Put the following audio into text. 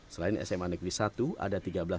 selain sma negeri satu ada tiga kompetitor lainnya